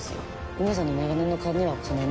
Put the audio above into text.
ウメさんの長年の勘にはかないません。